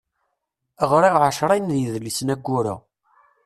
Ɣriɣ ɛecra n yidlisen ayyur-a.